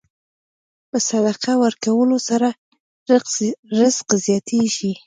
په صدقه ورکولو سره رزق زیاتېږي.